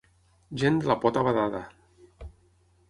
Gent de la pota badada.